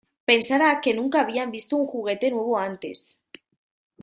Pensará que nunca habían visto un juguete nuevo antes.